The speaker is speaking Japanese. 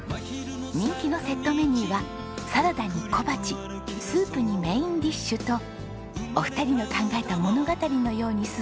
人気のセットメニューはサラダに小鉢スープにメインディッシュとお二人の考えた物語のように進みます。